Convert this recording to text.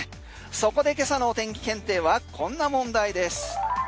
そこで今朝のお天気検定はこんな問題です。